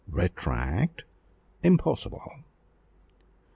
"Retract! impossible!"